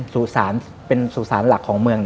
สู่สารเป็นสู่สารหลักของเมือง